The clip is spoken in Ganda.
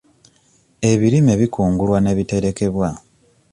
Ebirime bikungulwa ne biterekebwa.